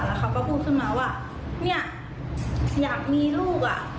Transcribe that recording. แล้วเขาก็พูดขึ้นมาว่าเนี่ยอยากมีลูกอ่ะ